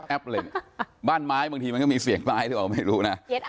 แอบเลยบ้านไม้บางทีมันก็มีเสียงไม้ถึงออกไม่รู้นะ